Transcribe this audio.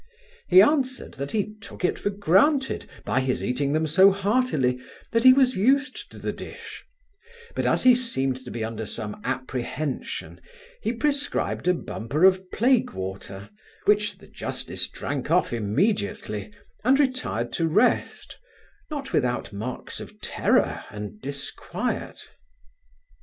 He answered, that he took it for granted, by his eating them so heartily, that he was used to the dish; but as he seemed to be under some apprehension, he prescribed a bumper of plague water, which the justice drank off immediately, and retired to rest, not without marks of terror and disquiet.